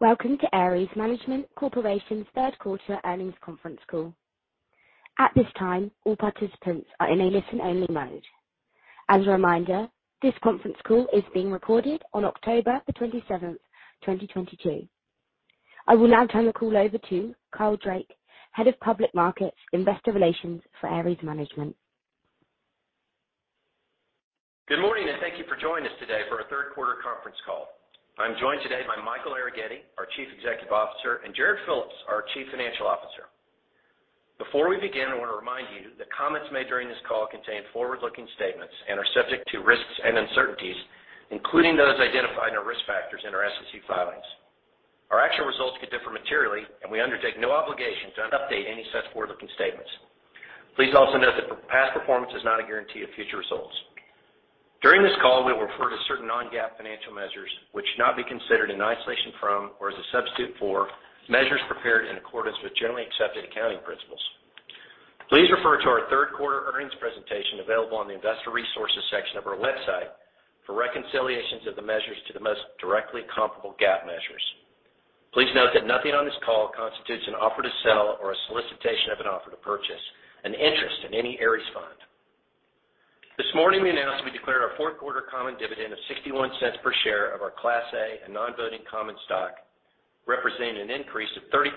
Welcome to Ares Management Corporation's Q3 earnings conference call. At this time, all participants are in a listen-only mode. As a reminder, this conference call is being recorded on October 27, 2022. I will now turn the call over to Carl Drake, head of Public Markets Investor Relations for Ares Management. Good morning, and thank you for joining us today for our Q3 conference call. I'm joined today by Michael Arougheti, our chief executive officer, and Jarrod Phillips, our chief financial officer. Before we begin, I wanna remind you that comments made during this call contain forward-looking statements and are subject to risks and uncertainties, including those identified in our risk factors in our SEC filings. Our actual results could differ materially, and we undertake no obligation to update any such forward-looking statements. Please also note that past performance is not a guarantee of future results. During this call, we refer to certain non-GAAP financial measures which should not be considered in isolation from or as a substitute for measures prepared in accordance with generally accepted accounting principles. Please refer to our Q3 earnings presentation available on the Investor Resources section of our website for reconciliations of the measures to the most directly comparable GAAP measures. Please note that nothing on this call constitutes an offer to sell or a solicitation of an offer to purchase an interest in any Ares fund. This morning, we announced that we declared our Q4 common dividend of $0.61 per share of our Class A and non-voting common stock, representing an increase of 30%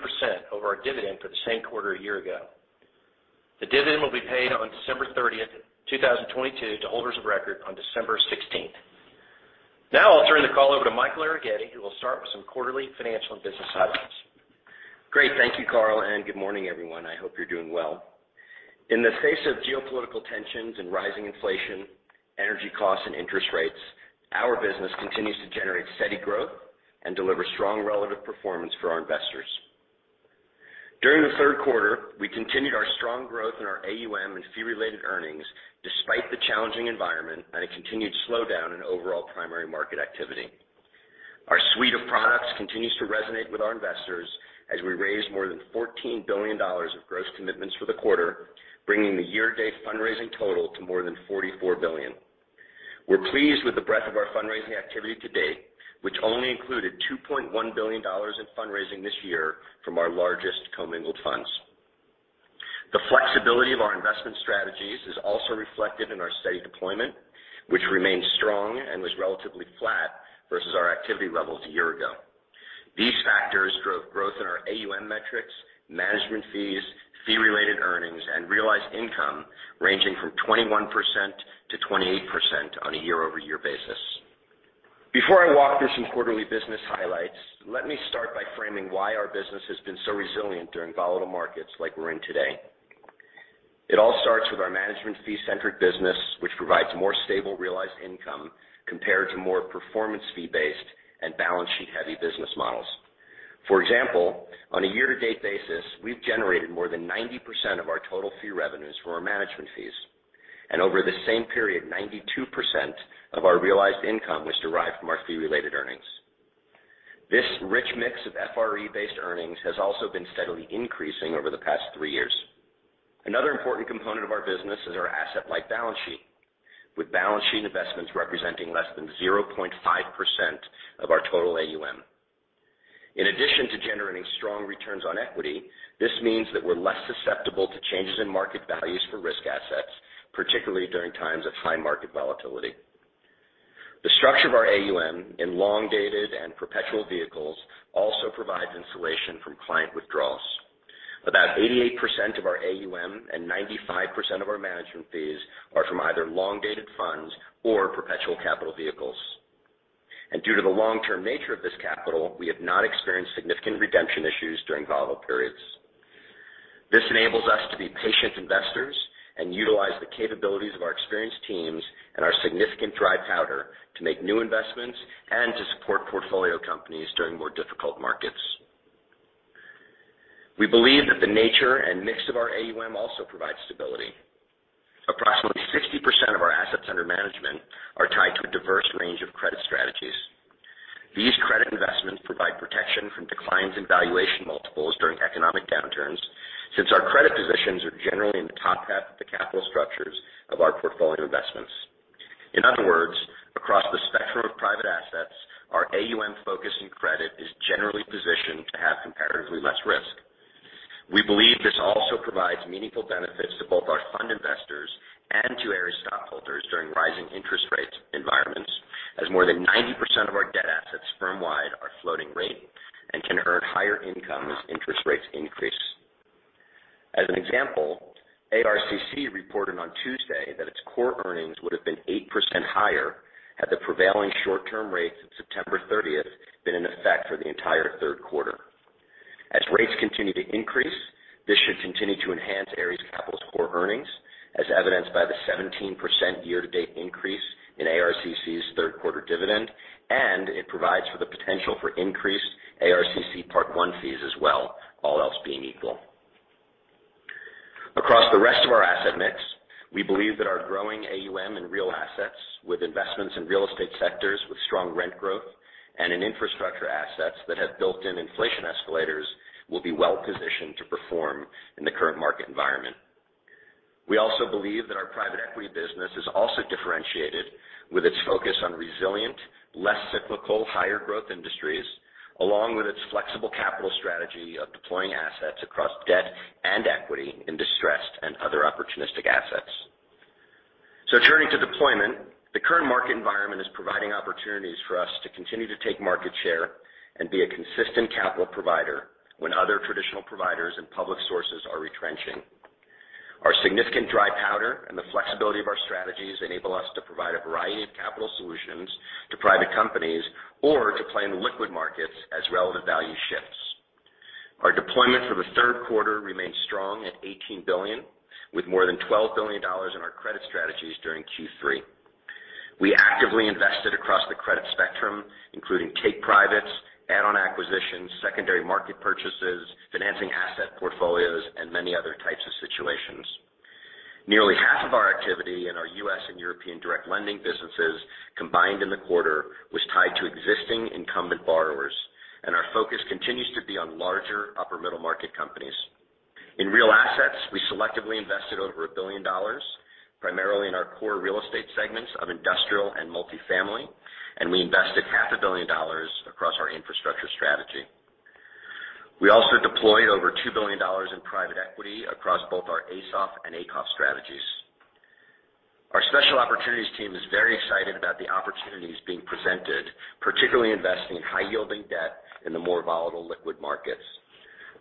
over our dividend for the same quarter a year ago. The dividend will be paid on December 30, 2022, to holders of record on December 16. Now I'll turn the call over to Michael Arougheti, who will start with some quarterly financial and business highlights. Great. Thank you, Carl, and good morning, everyone. I hope you're doing well. In the face of geopolitical tensions and rising inflation, energy costs, and interest rates, our business continues to generate steady growth and deliver strong relative performance for our investors. During the Q3, we continued our strong growth in our AUM and fee-related earnings despite the challenging environment and a continued slowdown in overall primary market activity. Our suite of products continues to resonate with our investors as we raised more than $14 billion of gross commitments for the quarter, bringing the year-to-date fundraising total to more than $44 billion. We're pleased with the breadth of our fundraising activity to date, which only included $2.1 billion in fundraising this year from our largest commingled funds. The flexibility of our investment strategies is also reflected in our steady deployment, which remains strong and was relatively flat versus our activity levels a year ago. These factors drove growth in our AUM metrics, management fees, fee-related earnings, and realized income ranging from 21%-28% on a year-over-year basis. Before I walk through some quarterly business highlights, let me start by framing why our business has been so resilient during volatile markets like we're in today. It all starts with our management fee-centric business, which provides more stable realized income compared to more performance fee-based and balance sheet heavy business models. For example, on a year-to-date basis, we've generated more than 90% of our total fee revenues from our management fees. Over the same period, 92% of our realized income was derived from our fee-related earnings. This rich mix of FRE-based earnings has also been steadily increasing over the past 3 years. Another important component of our business is our asset light balance sheet, with balance sheet investments representing less than 0.5% of our total AUM. In addition to generating strong returns on equity, this means that we're less susceptible to changes in market values for risk assets, particularly during times of high market volatility. The structure of our AUM in long-dated and perpetual vehicles also provides insulation from client withdrawals. About 88% of our AUM and 95% of our management fees are from either long-dated funds or perpetual capital vehicles. Due to the long-term nature of this capital, we have not experienced significant redemption issues during volatile periods. This enables us to be patient investors and utilize the capabilities of our experienced teams and our significant dry powder to make new investments and to support portfolio companies during more difficult markets. We believe that the nature and mix of our AUM also provides stability. Approximately 60% of our assets under management are tied to a diverse range of credit strategies. These credit investments provide protection from declines in valuation multiples during economic downturns, since our credit positions are generally in the top cap of the capital structures of our portfolio investments. In other words, across the spectrum of private assets, our AUM focus in credit is generally positioned to have comparatively less risk. We believe this also provides meaningful benefits to both our fund investors and to Ares stockholders during rising interest rates environments, as more than 90% of our debt assets firm-wide are floating rate and can earn higher income as interest rates increase. As an example, ARCC reported on Tuesday that its core earnings would have been 8% higher had the prevailing short-term rates of September 30 been in effect for the entire Q3. As rates continue to increase, this should continue to enhance Ares Capital's core earnings, as evidenced by the 17% year-to-date increase in ARCC's Q3 dividend, and it provides for the potential for increased ARCC Part I fees as well, all else being equal. Across the rest of our asset mix, we believe that our growing AUM in real assets with investments in real estate sectors with strong rent growth and in infrastructure assets that have built-in inflation escalators will be well positioned to perform in the current market environment. We also believe that our private equity business is also differentiated with its focus on resilient, less cyclical, higher growth industries, along with its flexible capital strategy of deploying assets across debt and equity in distressed and other opportunistic assets. Turning to deployment, the current market environment is providing opportunities for us to continue to take market share and be a consistent capital provider when other traditional providers and public sources are retrenching. Our significant dry powder and the flexibility of our strategies enable us to provide a variety of capital solutions to private companies or to play in liquid markets as relative value shifts. Our deployment for the Q3 remained strong at $18 billion, with more than $12 billion in our credit strategies during Q3. We actively invested across the credit spectrum, including take privates, add-on acquisitions, secondary market purchases, financing asset portfolios, and many other types of situations. Nearly half of our activity in our U.S. and European direct lending businesses combined in the quarter was tied to existing incumbent borrowers, and our focus continues to be on larger upper middle market companies. In real assets, we selectively invested over $1 billion, primarily in our core real estate segments of industrial and multifamily, and we invested half a $1 billion across our infrastructure strategy. We also deployed over $2 billion in private equity across both our ASOF and ACOF strategies. Our special opportunities team is very excited about the opportunities being presented, particularly investing in high-yielding debt in the more volatile liquid markets.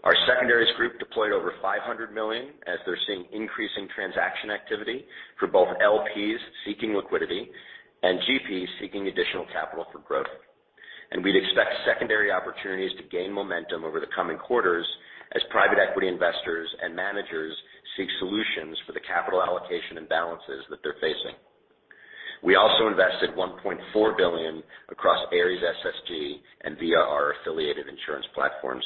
Our secondaries group deployed over $500 million as they're seeing increasing transaction activity for both LPs seeking liquidity and GPs seeking additional capital for growth. We'd expect secondary opportunities to gain momentum over the coming quarters as private equity investors and managers seek solutions for the capital allocation imbalances that they are facing. We also invested $1.4 billion across Ares SSG and via our affiliated insurance platforms.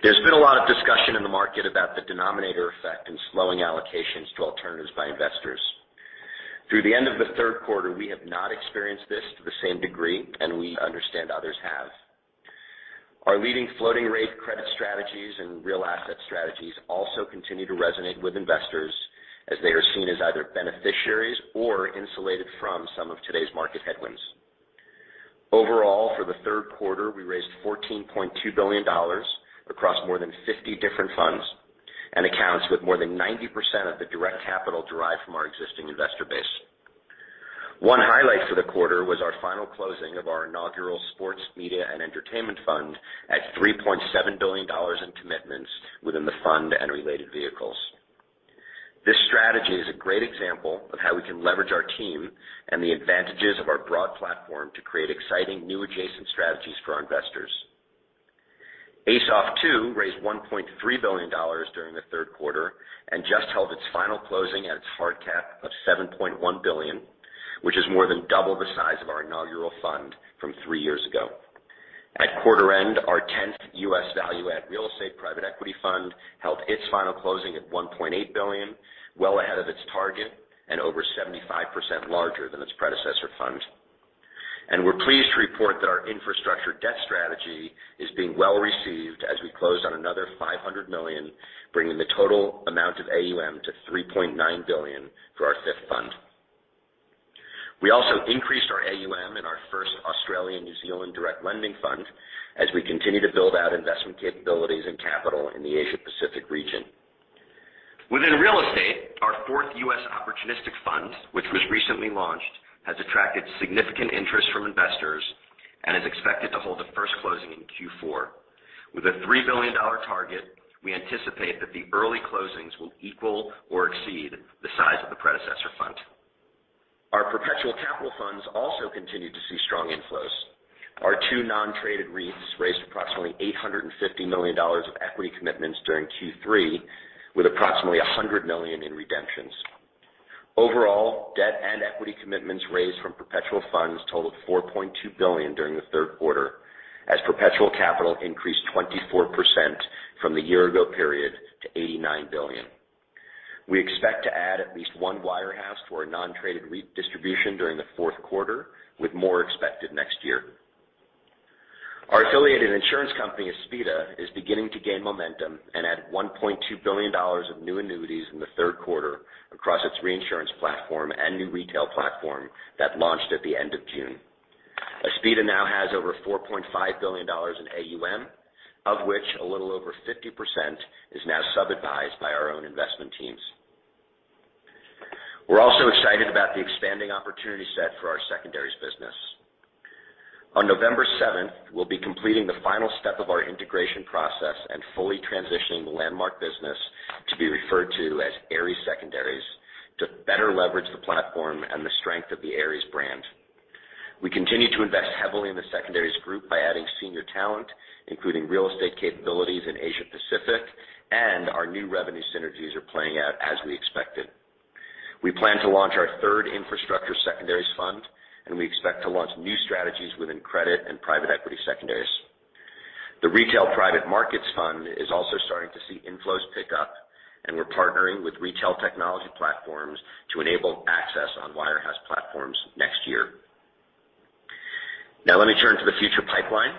There is been a lot of discussion in the market about the denominator effect and slowing allocations to alternatives by investors. Through the end of the Q3, we have not experienced this to the same degree, and we understand others have. Our leading floating rate credit strategies and real asset strategies also continue to resonate with investors as they are seen as either beneficiaries or insulated from some of today's market headwinds. Overall, for the Q3, we raised $14.2 billion across more than 50 different funds and accounts with more than 90% of the direct capital derived from our existing investor base. One highlight for the quarter was our final closing of our inaugural sports media and entertainment fund at $3.7 billion in commitments within the fund and related vehicles. This strategy is a great example of how we can leverage our team and the advantages of our broad platform to create exciting new adjacent strategies for our investors. ASOF Two raised $1.3 billion during the Q3 and just held its final closing at its hard cap of $7.1 billion, which is more than double the size of our inaugural fund from three years ago. At quarter end, our tenth U.S. Value Add real estate private equity fund held its final closing at $1.8 billion, well ahead of its target and over 75% larger than its predecessor fund. We are pleased to report that our infrastructure debt strategy is being well received as we close on another $500 million, bringing the total amount of AUM to $3.9 billion for our fifth fund. We also increased our AUM in our first Australian New Zealand direct lending fund as we continue to build out investment capabilities and capital in the Asia Pacific region. Within real estate, our fourth US opportunistic fund, which was recently launched, has attracted significant interest from investors and is expected to hold the first closing in Q4. With a $3 billion target, we anticipate that the early closings will equal or exceed the size of the predecessor fund. Our perpetual capital funds also continue to see strong inflows. Our two non-traded REITs raised approximately $850 million of equity commitments during Q3, with approximately $100 million in redemptions. Overall, debt and equity commitments raised from perpetual funds totaled $4.2 billion during the Q3 as perpetual capital increased 24% from the year ago period to $89 billion. We expect to add at least one wirehouse for a non-traded REIT distribution during the Q4, with more expected next year. Our affiliated insurance company, Aspida, is beginning to gain momentum and add $1.2 billion of new annuities in the Q3 across its reinsurance platform and new retail platform that launched at the end of June. Aspida now has over $4.5 billion in AUM, of which a little over 50% is now sub-advised by our own investment teams. We are also excited about the expanding opportunity set for our secondaries business. On November seventh, we'll be completing the final step of our integration process and fully transitioning the Landmark business to be referred to as Ares Secondaries to better leverage the platform and the strength of the Ares brand. We continue to invest heavily in the secondaries group by adding senior talent, including real estate capabilities in Asia Pacific, and our new revenue synergies are playing out as we expected. We plan to launch our third infrastructure secondaries fund, and we expect to launch new strategies within credit and private equity secondaries. The Ares Private Markets Fund is also starting to see inflows pick up, and we are partnering with retail technology platforms to enable access on wirehouse platforms next year. Now let me turn to the future pipeline.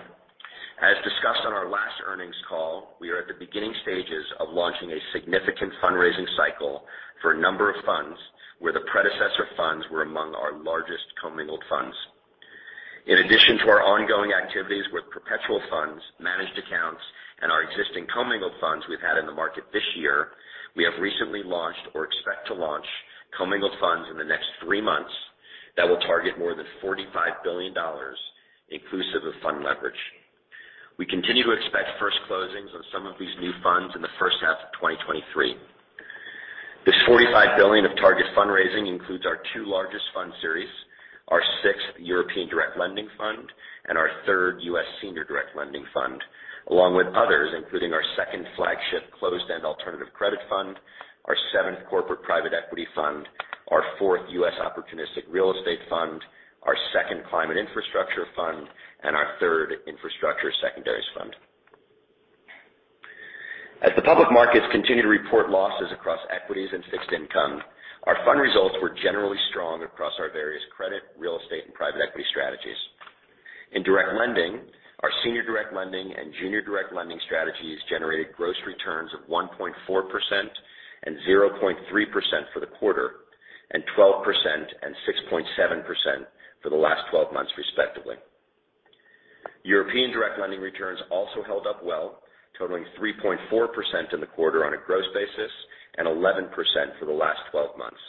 As discussed on our last earnings call, we are at the beginning stages of launching a significant fundraising cycle for a number of funds where the predecessor funds were among our largest commingled funds. In addition to our ongoing activities with perpetual funds, managed accounts, and our existing commingled funds we've had in the market this year, we have recently launched or expect to launch commingled funds in the next three months that will target more than $45 billion inclusive of fund leverage. We continue to expect first closings on some of these new funds in the first half of 2023. This $45 billion of target fundraising includes our two largest fund series, our sixth European direct lending fund, and our third U.S. senior direct lending fund, along with others, including our second flagship closed-end alternative credit fund, our seventh corporate private equity fund, our fourth U.S. opportunistic real estate fund, our second climate infrastructure fund, and our third infrastructure secondaries fund. As the public markets continue to report losses across equities and fixed income, our fund results were generally strong across our various credit, real estate, and private equity strategies. In direct lending, our senior direct lending and junior direct lending strategies generated gross returns of 1.4% and 0.3% for the quarter, and 12% and 6.7% for the last 12 months, respectively. European direct lending returns also held up well, totaling 3.4% in the quarter on a gross basis, and 11% for the last 12 months.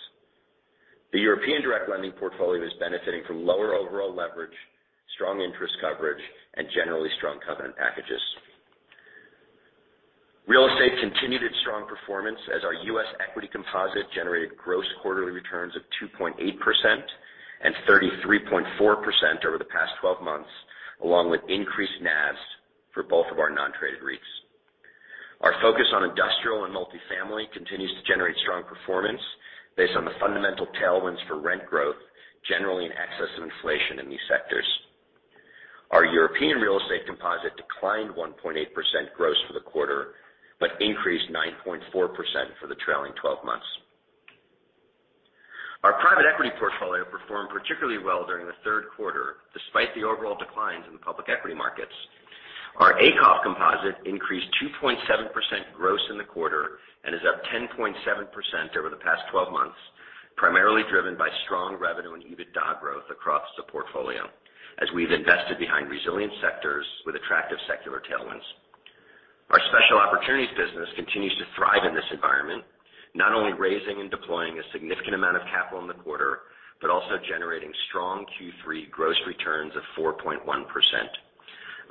The European direct lending portfolio is benefiting from lower overall leverage, strong interest coverage, and generally strong covenant packages. Real estate continued its strong performance as our U.S. equity composite generated gross quarterly returns of 2.8% and 33.4% over the past 12 months, along with increased NAVs for both of our non-traded REITs. Our focus on industrial and multifamily continues to generate strong performance based on the fundamental tailwinds for rent growth, generally in excess of inflation in these sectors. Our European real estate composite declined 1.8% gross for the quarter, but increased 9.4% for the trailing twelve months. Our private equity portfolio performed particularly well during the Q3, despite the overall declines in the public equity markets. Our ACOF composite increased 2.7% gross in the quarter and is up 10.7% over the past twelve months, primarily driven by strong revenue and EBITDA growth across the portfolio as we have invested behind resilient sectors with attractive secular tailwinds. Our special opportunities business continues to thrive in this environment, not only raising and deploying a significant amount of capital in the quarter, but also generating strong Q3 gross returns of 4.1%.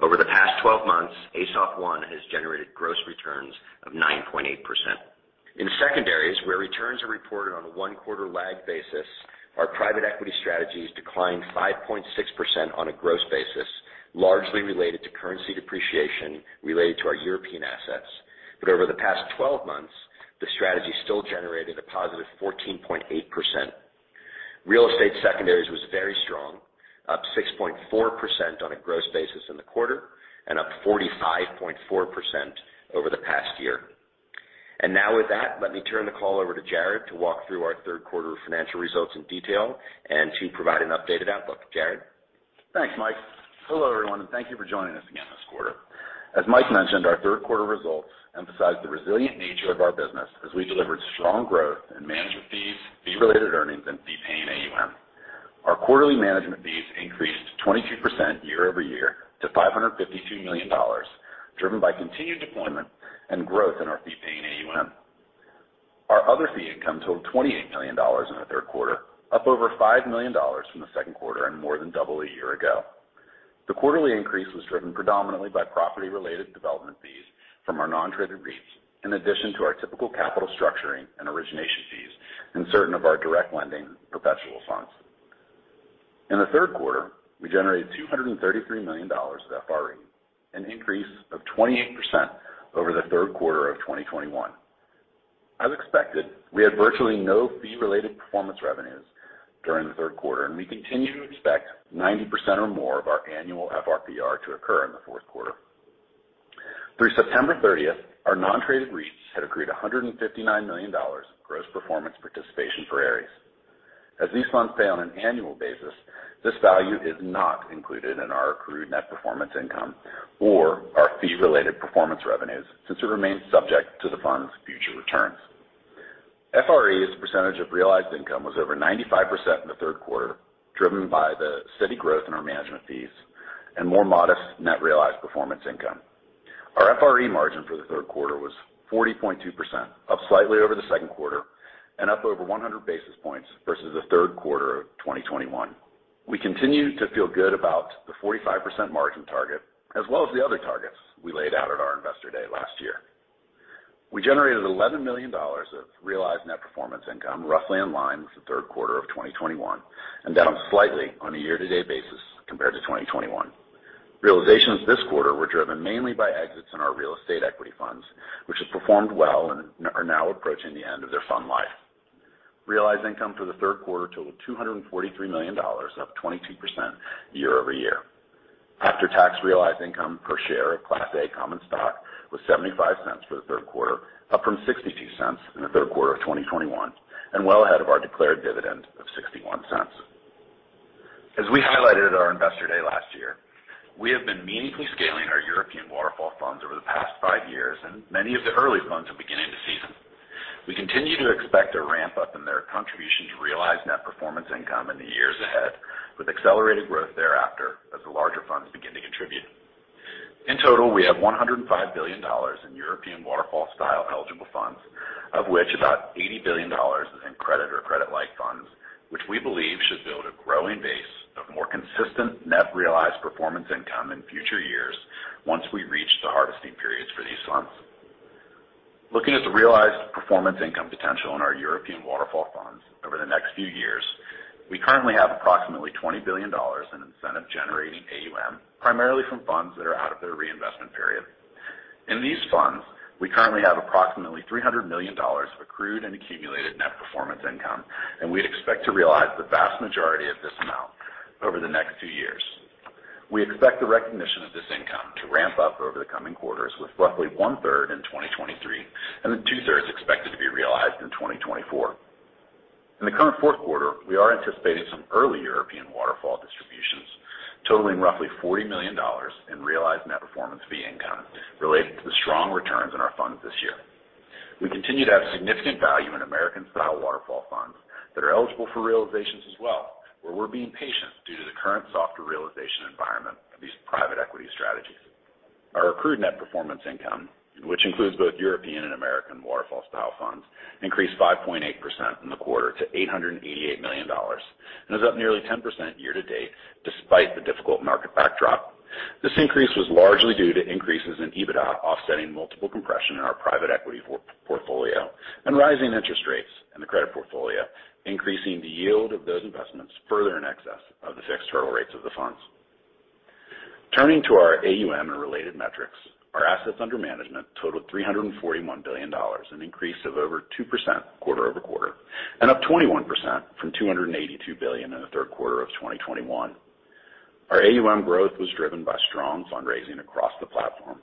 Over the past 12 months, ASOF one has generated gross returns of 9.8%. In secondaries, where returns are reported on a one-quarter lag basis, our private equity strategies declined 5.6% on a gross basis, largely related to currency depreciation related to our European assets. Over the past 12 months, the strategy still generated a positive 14.8%. Real estate secondaries was very strong, up 6.4% on a gross basis in the quarter and up 45.4% over the past year. Now with that, let me turn the call over to Jarrod to walk through our Q3 financial results in detail and to provide an updated outlook. Jarrod? Thanks, Mike. Hello, everyone, and thank you for joining us again this quarter. As Mike mentioned, our Q3 results emphasize the resilient nature of our business as we delivered strong growth in management fees, fee-related earnings and fee-paying AUM. Our quarterly management fees increased 22% year-over-year to $552 million, driven by continued deployment and growth in our fee-paying AUM. Our other fee income totaled $28 million in the Q3, up over $5 million from the second quarter and more than double a year ago. The quarterly increase was driven predominantly by property-related development fees from our non-traded REITs, in addition to our typical capital structuring and origination fees in certain of our direct lending perpetual funds. In the Q3, we generated $233 million of FRE, an increase of 28% over the Q3 of 2021. As expected, we had virtually no fee-related performance revenues during the Q3, and we continue to expect 90% or more of our annual FRPR to occur in the Q4. Through September thirtieth, our non-traded REITs had accrued $159 million of gross performance participation for Ares. As these funds pay on an annual basis, this value is not included in our accrued net performance income or our fee-related performance revenues, since it remains subject to the fund's future returns. FRE as a percentage of realized income was over 95% in the Q3, driven by the steady growth in our management fees and more modest net realized performance income. Our FRE margin for the Q3 was 40.2%, up slightly over the second quarter and up over 100 basis points versus the Q3 of 2021. We continue to feel good about the 45% margin target as well as the other targets we laid out at our Investor Day last year. We generated $11 million of realized net performance income, roughly in line with the Q3 of 2021 and down slightly on a year-to-date basis compared to 2021. Realizations this quarter were driven mainly by exits in our real estate equity funds, which have performed well and are now approaching the end of their fund life. Realized income for the Q3 totaled $243 million, up 22% year-over-year. After-tax realized income per share of Class A common stock was $0.75 for the Q3, up from $0.62 in the Q3 of 2021, and well ahead of our declared dividend of $0.61. As we highlighted at our Investor Day last year, we have been meaningfully scaling our European waterfall funds over the past five years, and many of the early funds are beginning to season. We continue to expect a ramp up in their contribution to realized net performance income in the years ahead, with accelerated growth thereafter as the larger funds begin to contribute. In total, we have $105 billion in European waterfall style eligible funds, of which about $80 billion is in credit or credit-like funds, which we believe should build a growing base of more consistent net realized performance income in future years once we reach the harvesting periods for these funds. Looking at the realized performance income potential in our European waterfall funds over the next few years, we currently have approximately $20 billion in incentive generating AUM, primarily from funds that are out of their reinvestment period. In these funds, we currently have approximately $300 million of accrued and accumulated net performance income, and we'd expect to realize the vast majority of this amount over the next two years. We expect the recognition of this income to ramp up over the coming quarters, with roughly one-third in 2023, and then two-thirds expected to be realized in 2024. In the current Q4, we are anticipating some early European waterfall distributions totaling roughly $40 million in realized net performance fee income related to the strong returns in our funds this year. We continue to have significant value in American waterfall funds that are eligible for realizations as well, where we're being patient due to the current softer realization environment of these private equity strategies. Our accrued net performance income, which includes both European and American waterfall funds, increased 5.8% in the quarter to $888 million, and is up nearly 10% year to date despite the difficult market backdrop. This increase was largely due to increases in EBITDA offsetting multiple compression in our private equity portfolio and rising interest rates in the credit portfolio, increasing the yield of those investments further in excess of the fixed hurdle rates of the funds. Turning to our AUM and related metrics, our assets under management totaled $341 billion, an increase of over 2% quarter-over-quarter, and up 21% from $282 billion in the Q3 of 2021. Our AUM growth was driven by strong fundraising across the platform.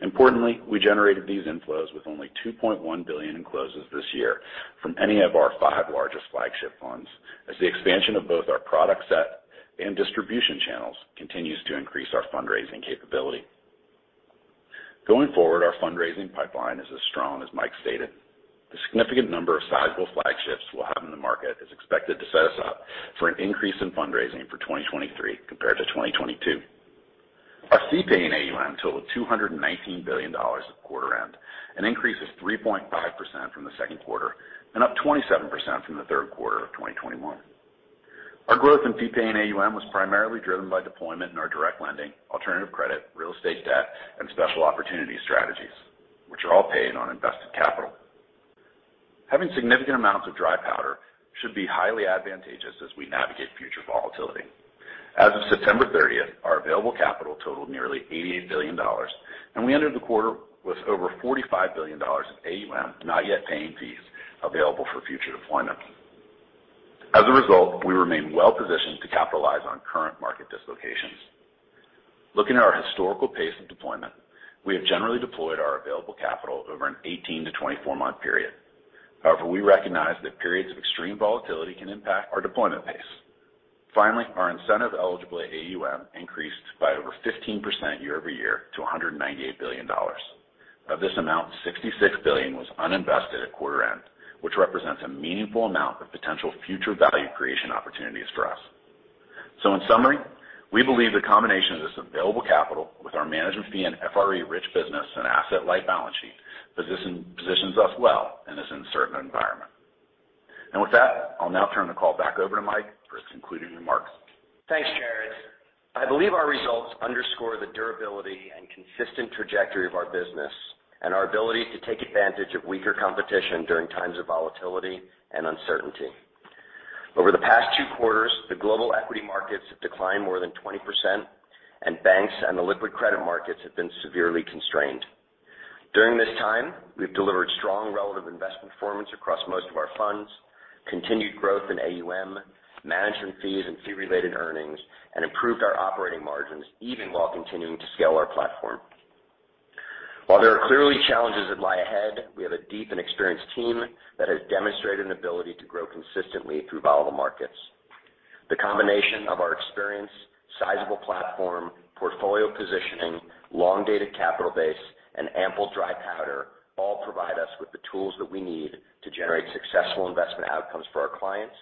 Importantly, we generated these inflows with only $2.1 billion in closes this year from any of our five largest flagship funds, as the expansion of both our product set and distribution channels continues to increase our fundraising capability. Going forward, our fundraising pipeline is as strong as Mike stated. The significant number of sizable flagships we'll have in the market is expected to set us up for an increase in fundraising for 2023 compared to 2022. Our fee-paying AUM totaled $219 billion at quarter end, an increase of 3.5% from the second quarter and up 27% from the Q3 of 2021. Our growth in fee-paying AUM was primarily driven by deployment in our direct lending, alternative credit, real estate debt, and special opportunity strategies, which are all paid on invested capital. Having significant amounts of dry powder should be highly advantageous as we navigate future volatility. As of September 30, our available capital totaled nearly $88 billion, and we entered the quarter with over $45 billion in AUM not yet paying fees available for future deployment. As a result, we remain well positioned to capitalize on current market dislocations. Looking at our historical pace of deployment, we have generally deployed our available capital over an 18- to 24-month period. However, we recognize that periods of extreme volatility can impact our deployment pace. Finally, our incentive eligible AUM increased by over 15% year-over-year to $198 billion. Of this amount, $66 billion was uninvested at quarter-end, which represents a meaningful amount of potential future value creation opportunities for us. In summary, we believe the combination of this available capital with our management fee and FRE rich business and asset light balance sheet position, positions us well in this uncertain environment. With that, I will now turn the call back over to Mike for his concluding remarks. Thanks, Jarrod. I believe our results underscore the durability and consistent trajectory of our business and our ability to take advantage of weaker competition during times of volatility and uncertainty. Over the past two quarters, the global equity markets have declined more than 20%, and banks and the liquid credit markets have been severely constrained. During this time, we've delivered strong relative investment performance across most of our funds, continued growth in AUM, management fees and fee-related earnings, and improved our operating margins even while continuing to scale our platform. While there are clearly challenges that lie ahead, we have a deep and experienced team that has demonstrated an ability to grow consistently through volatile markets. The combination of our experience, sizable platform, portfolio positioning, long dated capital base, and ample dry powder all provide us with the tools that we need to generate successful investment outcomes for our clients,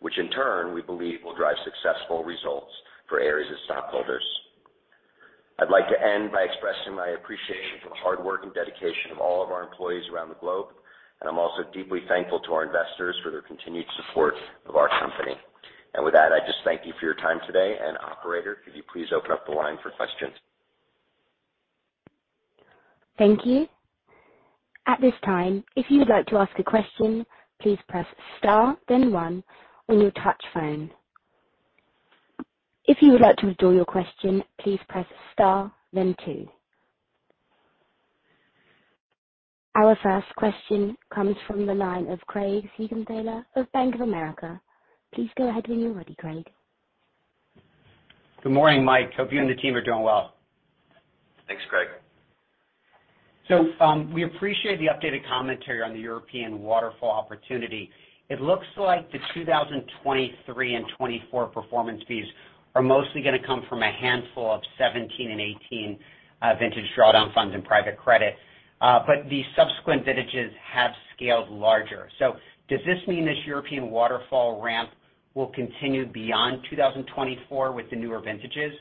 which in turn we believe will drive successful results for Ares' stockholders. I'd like to end by expressing my appreciation for the hard work and dedication of all of our employees around the globe, and I'm also deeply thankful to our investors for their continued support of our company. With that, I just thank you for your time today. Operator, could you please open up the line for questions? Thank you. At this time, if you would like to ask a question, please press star then one on your touch phone. If you would like to withdraw your question, please press star then two. Our first question comes from the line of Craig Siegenthaler of Bank of America. Please go ahead when you are ready, Craig. Good morning, Mike. Hope you and the team are doing well. Thanks, Craig. We appreciate the updated commentary on the European waterfall opportunity. It looks like the 2023 and 2024 performance fees are mostly gonna come from a handful of 17 and 18 vintage drawdown funds and private credit. The subsequent vintages have scaled larger. Does this mean this European waterfall ramp will continue beyond 2024 with the newer vintages,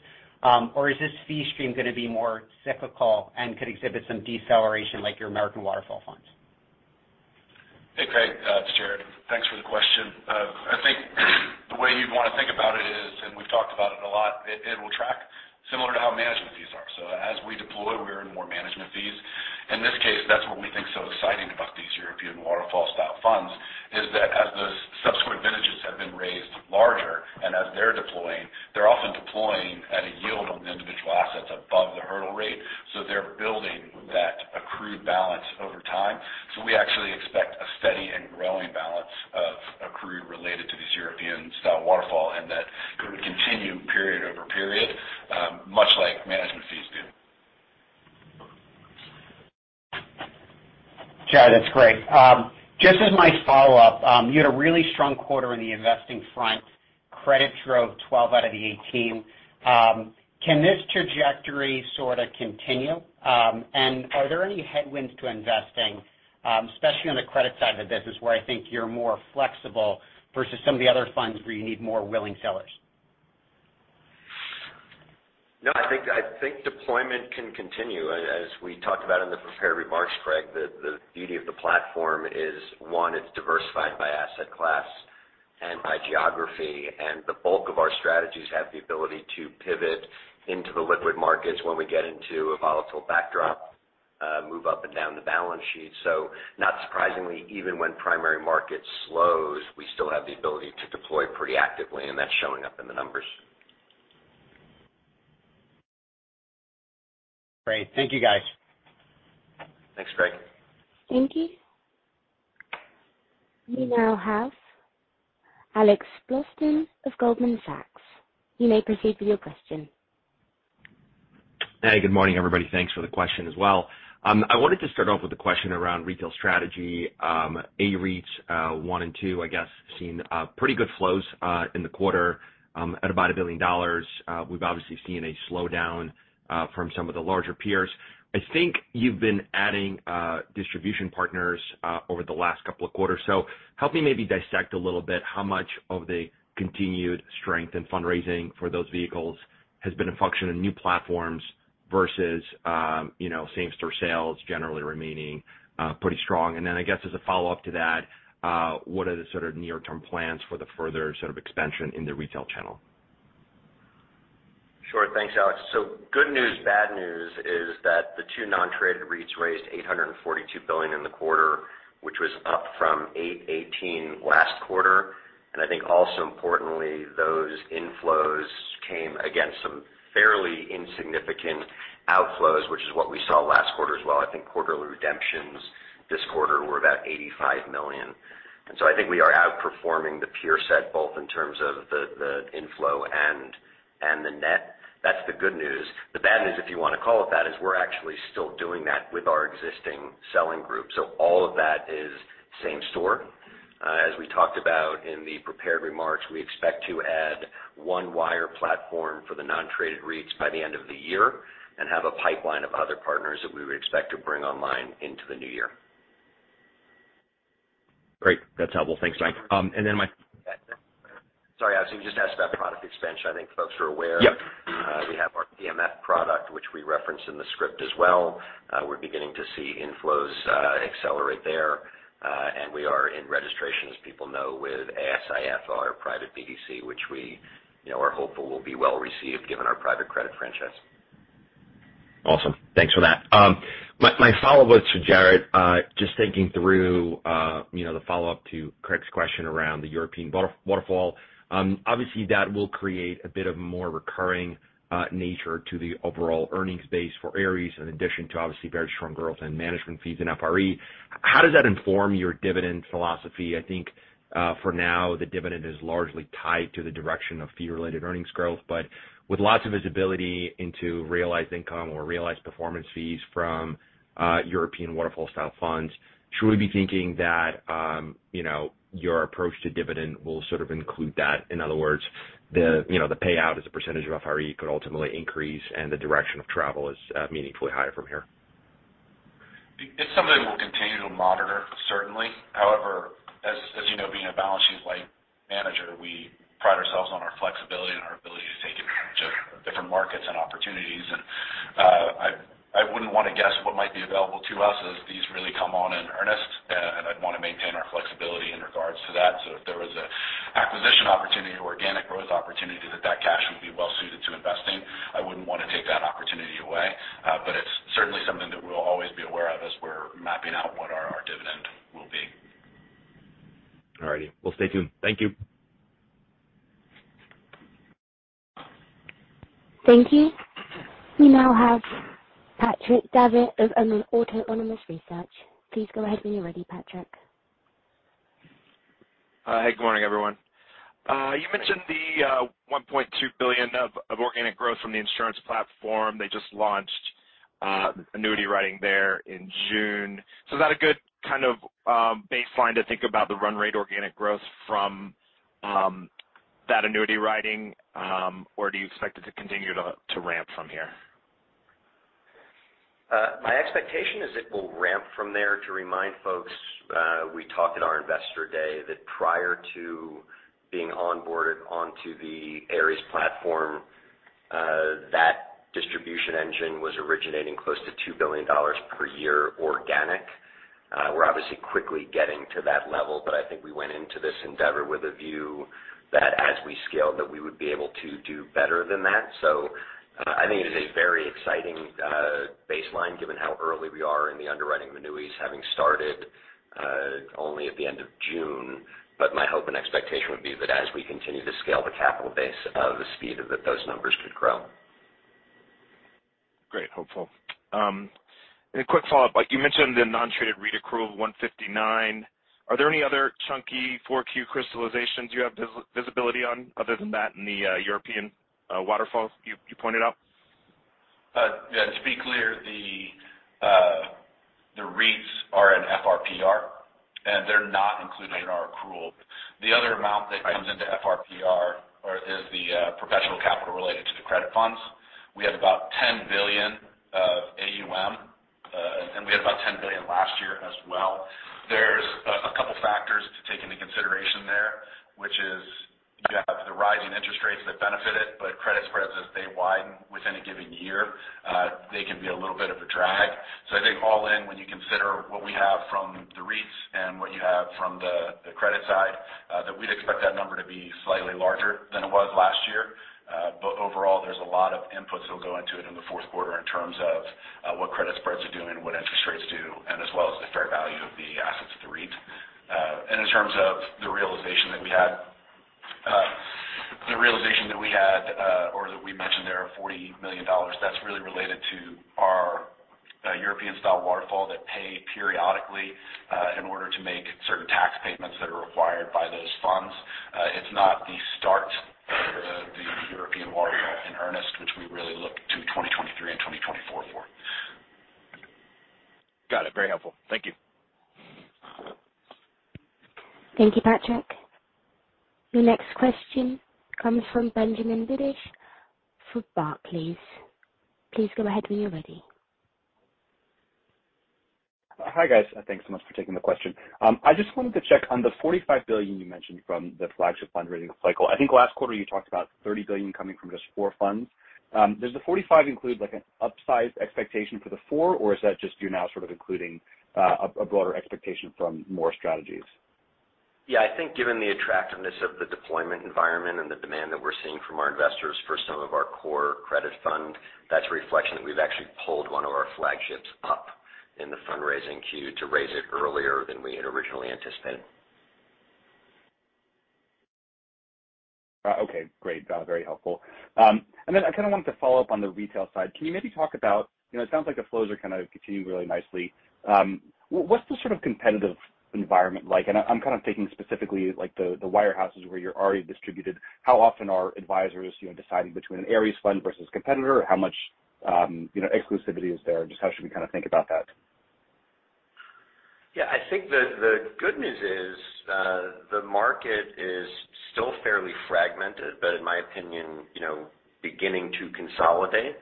or is this fee stream gonna be more cyclical and could exhibit some deceleration like your American waterfall funds? Hey, Craig Siegenthaler, it's Jarrod Phillips. Thanks for the question. I think the way you'd wanna think about it is, and we have talked about it a lot, it will track similar to how management fees are. As we deploy, we earn more management fees. In this case, that's what we think so exciting about these European waterfall style funds, is that as the subsequent vintages have been raised larger and as they are deploying, they're often deploying at a yield on the individual assets above the hurdle rate, so they're building that accrued balance over time. We actually expect a steady and growing balance of accrued related to these European style waterfall, and that it would continue period over period, much like management fees do. Jarrod, that's great. Just as my follow-up, you had a really strong quarter in the investing front. Credit drove 12 out of the 18. Can this trajectory sorta continue? Are there any headwinds to investing, especially on the credit side of the business where I think you are more flexible versus some of the other funds where you need more willing sellers? No, I think deployment can continue. As we talked about in the prepared remarks, Craig, the beauty of the platform is, one, it's diversified by asset class and by geography, and the bulk of our strategies have the ability to pivot into the liquid markets when we get into a volatile backdrop, move up and down the balance sheet. Not surprisingly, even when primary market slows, we still have the ability to deploy pretty actively, and that's showing up in the numbers. Great. Thank you, guys. Thanks, Craig. Thank you. We now have Alex Blostein of Goldman Sachs. You may proceed with your question. Hey, good morning, everybody. Thanks for the question as well. I wanted to start off with a question around retail strategy. AREIT one and two, I guess, have seen pretty good flows in the quarter at about $1 billion. We have obviously seen a slowdown from some of the larger peers. I think you've been adding distribution partners over the last couple of quarters. Help me maybe dissect a little bit how much of the continued strength and fundraising for those vehicles has been a function of new platforms versus, you know, same-store sales generally remaining pretty strong. I guess as a follow-up to that, what are the sort of near-term plans for the further sort of expansion in the retail channel? Sure. Thanks, Alex. Good news, bad news is that the two non-traded REITs raised $842 billion in the quarter, which was up from 818 last quarter. I think also importantly, those inflows came against some fairly insignificant outflows, which is what we saw last quarter as well. I think quarterly redemptions this quarter were about $85 million. I think we are outperforming the peer set, both in terms of the inflow and the net. That's the good news. The bad news, if you wanna call it that, is we're actually still doing that with our existing selling group. All of that is same store. As we talked about in the prepared remarks, we expect to add one wire platform for the non-traded REITs by the end of the year and have a pipeline of other partners that we would expect to bring online into the new year. Great. That's helpful. Thanks, Mike. Sorry, Alex, you just asked about product expansion. I think folks are aware. Yep. We have our PMF product, which we referenced in the script as well. We're beginning to see inflows accelerate there. We are in registration, as people know, with ASI Fund, our private BDC, which we, you know, are hopeful will be well received given our private credit franchise. Awesome. Thanks for that. My follow-up was to Jarrod. Just thinking through, you know, the follow-up to Craig's question around the European waterfall. Obviously that will create a bit more recurring nature to the overall earnings base for Ares, in addition to obviously very strong growth in management fees and FRE. How does that inform your dividend philosophy? I think, for now, the dividend is largely tied to the direction of fee-related earnings growth, but with lots of visibility into realized income or realized performance fees from European waterfall style funds, should we be thinking that, you know, your approach to dividend will sort of include that? In other words, you know, the payout as a percentage of FRE could ultimately increase and the direction of travel is meaningfully higher from here. It's something we will continue to monitor, certainly. However, as you know, being a balance sheet light manager, we pride ourselves on our flexibility and our ability to take advantage of different markets and opportunities. I wouldn't wanna guess what might be available to us as these really come on in earnest. I'd wanna maintain our flexibility in regards to that. If there was an acquisition opportunity or organic growth opportunity that cash would be well suited to investing, I wouldn't wanna take that opportunity away. It's certainly something that we will always be aware of as we're mapping out what our dividend will be. All righty. We'll stay tuned. Thank you. Thank you. We now have Patrick Davitt of Autonomous Research. Please go ahead when you're ready, Patrick. Hey, good morning, everyone. You mentioned the $1.2 billion of organic growth from the insurance platform. They just launched annuity writing there in June. Is that a good kind of baseline to think about the run rate organic growth from that annuity writing, or do you expect it to continue to ramp from here? My expectation is it will ramp from there. To remind folks, we talked at our Investor Day that prior to being onboarded onto the Ares platform, that distribution engine was originating close to $2 billion per year organic. We are obviously quickly getting to that level, but I think we went into this endeavor with a view that as we scaled, that we would be able to do better than that. I think it is a very exciting baseline given how early we are in the underwriting of annuities, having started only at the end of June. My hope and expectation would be that as we continue to scale the capital base of Aspida, that those numbers could grow. Great. Hopeful. A quick follow-up. Like you mentioned the non-traded REIT accrual of $159. Are there any other chunky 4Q crystallizations you have visibility on other than that in the European waterfalls you pointed out? Yeah, to be clear, the REITs are an FRPR, and they are not included in our accrual. The other amount that comes into FRPR is the permanent capital related to the credit funds. We had about $10 billion of AUM, and we had about $10 billion last year as well. There is a couple factors to take into consideration there, which is you have the rising interest rates that benefit it, but credit spreads, as they widen within a given year, they can be a little bit of a drag. I think all in, when you consider what we have from the REITs and what we have from the credit side, that we'd expect that number to be slightly larger than it was last year. Overall, there is a lot of inputs that'll go into it in the Q4 in terms of what credit spreads are doing and what interest rates do, and as well as the fair value of the assets of the REIT. In terms of the realization that we had, or that we mentioned there, $40 million, that's really related to our European waterfall that pay periodically in order to make certain tax payments that are required by those funds. It's not the start of the European waterfall in earnest, which we really look to 2023 and 2024 for. Got it. Very helpful. Thank you. Thank you, Patrick. Your next question comes from Benjamin Budish for Barclays. Please go ahead when you're ready. Hi, guys. Thanks so much for taking the question. I just wanted to check on the $45 billion you mentioned from the flagship fundraising cycle. I think last quarter you talked about $30 billion coming from just four funds. Does the $45 billion include, like, an upsized expectation for the four, or is that just you now sort of including a broader expectation from more strategies? Yeah. I think given the attractiveness of the deployment environment and the demand that we're seeing from our investors for some of our core credit fund, that's a reflection that we've actually pulled one of our flagships up in the fundraising queue to raise it earlier than we had originally anticipated. Okay. Great. Very helpful. I kinda wanted to follow up on the retail side. Can you maybe talk about, you know, it sounds like the flows are kind of continuing really nicely. What's the sort of competitive environment like? I'm kind of thinking specifically like the wirehouses where you're already distributed. How often are advisors, you know, deciding between an Ares fund versus competitor? How much, you know, exclusivity is there? Just how should we kinda think about that? Yeah. I think the good news is, the market is still fairly fragmented, but in my opinion, you know, beginning to consolidate.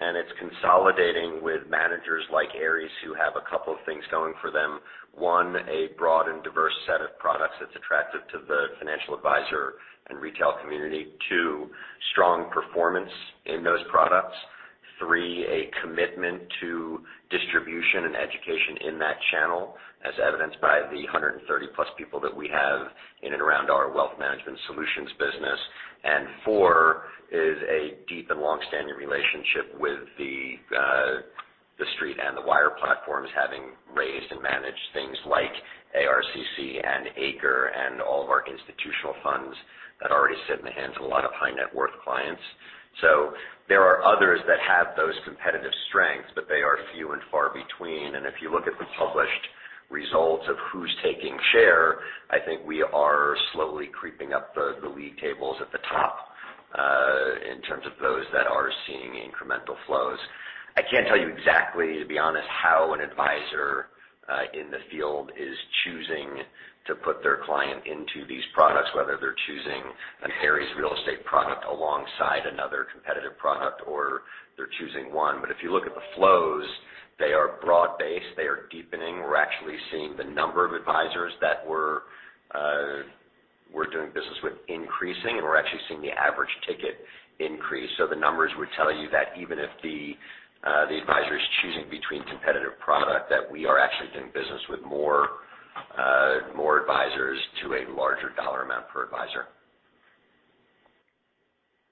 It's consolidating with managers like Ares, who have a couple of things going for them. One, a broad and diverse set of products that's attractive to the financial advisor and retail community. Two, strong performance in those products. Three, a commitment to distribution and education in that channel, as evidenced by the 130-plus people that we have in and around our wealth management solutions business. Four is a deep and longstanding relationship with the street and the wire platforms, having raised and managed things like ARCC and ACRE and all of our institutional funds that already sit in the hands of a lot of high net worth clients. There are others that have those competitive strengths, but they are few and far between. If you look at the published results of who's taking share, I think we are slowly creeping up the league tables at the top, in terms of those that are seeing incremental flows. I can't tell you exactly, to be honest, how an advisor in the field is choosing to put their client into these products, whether they're choosing an Ares real estate product alongside another competitive product or they're choosing one. If you look at the flows, they are broad-based. They are deepening. We're actually seeing the number of advisors that we're doing business with increasing, and we're actually seeing the average ticket increase. The numbers would tell you that even if the advisor is choosing between competitive product, that we are actually doing business with more advisors to a larger dollar amount per advisor.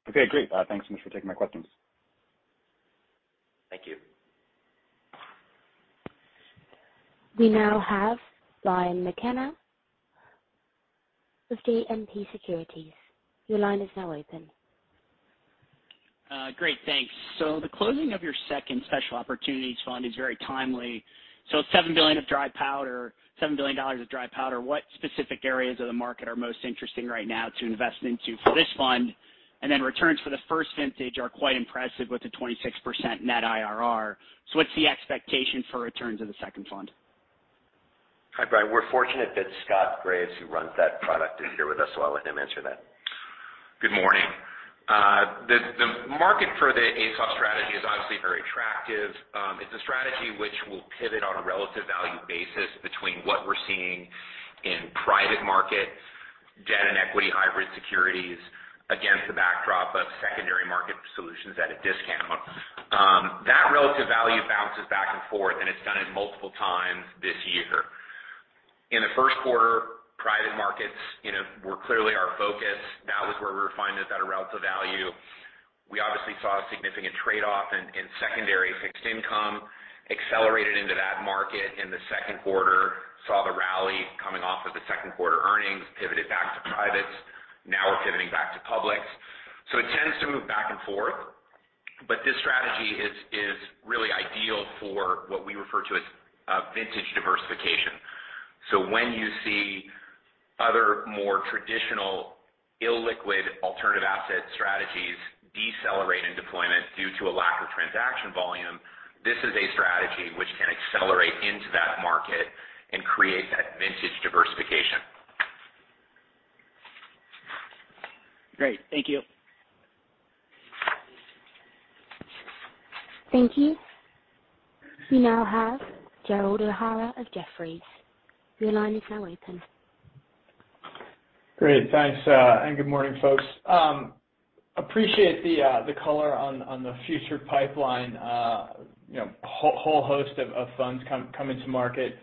Okay. Great. Thanks so much for taking my questions. Thank you. We now have Brian McKenna with JMP Securities. Your line is now open. Great, thanks. The closing of your second Special Opportunities Fund is very timely. $7 billion of dry powder, what specific areas of the market are most interesting right now to invest into for this fund? Returns for the first vintage are quite impressive with the 26% net IRR. What's the expectation for returns of the second fund? Hi, Brian. We are fortunate that Scott Graves, who runs that product, is here with us, so I'll let him answer that. Good morning. The market for the ASOF strategy is obviously very attractive. It's a strategy which will pivot on a relative value basis between what we're seeing in private market debt and equity hybrid securities against the backdrop of secondary market solutions at a discount. That relative value bounces back and forth, and it's done it multiple times this year. In the first quarter, private markets, you know, were clearly our focus. That was where we were finding better relative value. We obviously saw a significant trade-off in secondary fixed income, accelerated into that market in the second quarter, saw the rally coming off of the second quarter earnings, pivoted back to privates, now we're pivoting back to publics. It tends to move back and forth. But this strategy is really ideal for what we refer to as vintage diversification. When you see other more traditional illiquid alternative asset strategies decelerate in deployment due to a lack of transaction volume, this is a strategy which can accelerate into that market and create that vintage diversification. Great. Thank you. Thank you. We now have Gerald O'Hara of Jefferies. Your line is now open. Great. Thanks. Good morning, folks. Appreciate the color on the future pipeline, you know, whole host of funds coming to market.